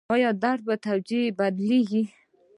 درد په توجیه بدلېږي.